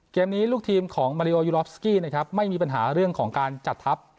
เกมนี้ลูกทีมของมาริโอยูรอฟสกี้นะครับไม่มีปัญหาเรื่องของการจัดทัพ